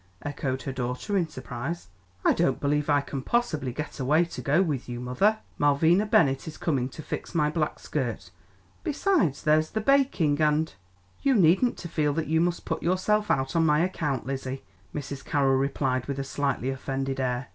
echoed her daughter in surprise. "I don't believe I can possibly get away to go with you, mother. Malvina Bennett is coming to fix my black skirt; besides, there's the baking and " "You needn't to feel that you must put yourself out on my account, Lizzie," Mrs. Carroll replied with a slightly offended air.